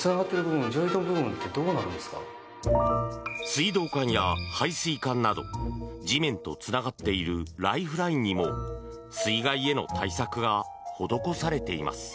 水道管や排水管など地面とつながっているライフラインにも水害への対策が施されています。